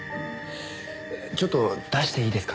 ちょっと出していいですか？